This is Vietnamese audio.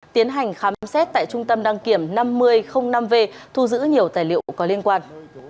tiến hành khám xét tại trung tâm đăng kiểm năm v thu giữ nhiều tài liệu có liên quan